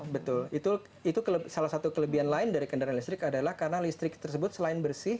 betul itu salah satu kelebihan lain dari kendaraan listrik adalah karena listrik tersebut selain bersih